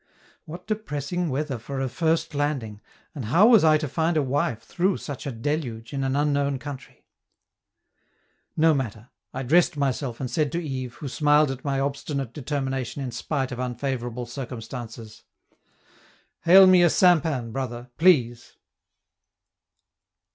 What depressing weather for a first landing, and how was I to find a wife through such a deluge, in an unknown country? No matter! I dressed myself and said to Yves, who smiled at my obstinate determination in spite of unfavorable circumstances: "Hail me a 'sampan,' brother, please."